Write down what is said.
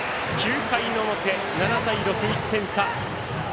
９回の表、７対６、１点差。